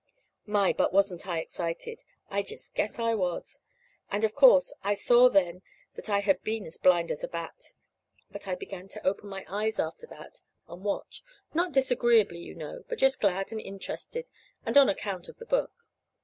My, but wasn't I excited? I just guess I was. And, of course, I saw then that I had been blind as a bat. But I began to open my eyes after that, and watch not disagreeably, you know, but just glad and interested, and on account of the book.